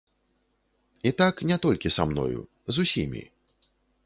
І так не толькі са мною, з усімі.